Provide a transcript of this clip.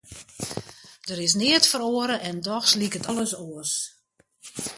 Der is neat feroare en dochs liket alles oars.